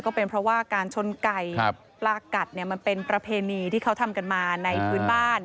ก็เป็นเพราะว่าการชนไก่ปลากัดเนี่ยมันเป็นประเพณีที่เขาทำกันมาในพื้นบ้าน